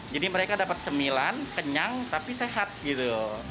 jadi mereka dapat cemilan kenyang tapi sehat gitu